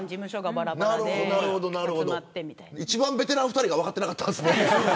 一番ベテラン２人が分かってなかったんですね。